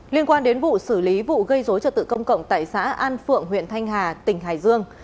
liên quan đến vụ xử lý vụ gây dối trật tự công cộng tại xã an phượng huyện thanh hà tỉnh hải dương